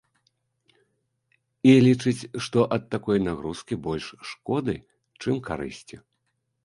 І лічыць, што ад такой нагрузкі больш шкоды, чым карысці.